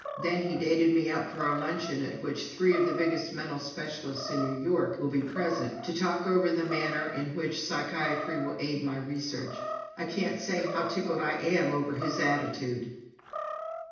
Then he dated me up for a luncheon at which three of the biggest mental specialists in New York will be present, to talk over the manner in which psychiatry will aid my research! I can't say how tickled I am over his attitude."